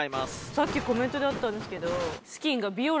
さっきコメントであったんですけど。